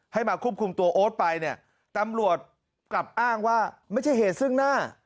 มาควบคุมตัวโอ๊ตไปเนี่ยตำรวจกลับอ้างว่าไม่ใช่เหตุซึ่งหน้า